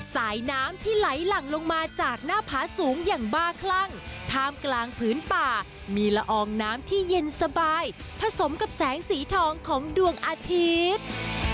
สายน้ำที่ไหลหลั่งลงมาจากหน้าผาสูงอย่างบ้าคลั่งท่ามกลางพื้นป่ามีละอองน้ำที่เย็นสบายผสมกับแสงสีทองของดวงอาทิตย์